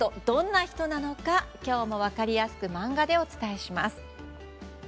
どんな人なのか今日も漫画で分かりやすくお伝えします。